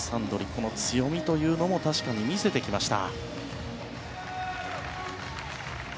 この強みというのも確かに見せてきました。